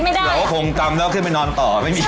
ถ้าเป็นหนูลงมาหนูก็ยังคิดไม่ได้